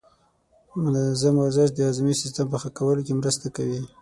منظم ورزش د هاضمې سیستم په ښه کولو کې مرسته کوي.